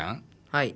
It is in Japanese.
はい。